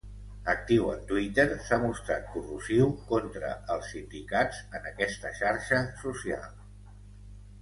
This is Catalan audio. Actiu en Twitter, s'ha mostrat corrosiu contra els sindicats en aquesta xarxa social.